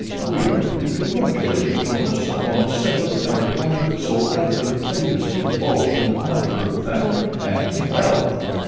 We are to be congratulated, Jonas, upon settling our daughter so advantageously both in the matter of family and wealth."